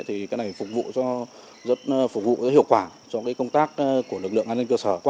thì cái này phục vụ rất hiệu quả cho công tác của lực lượng an ninh cơ sở